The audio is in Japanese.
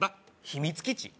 秘密基地？